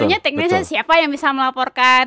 tentunya teknisnya siapa yang bisa melaporkan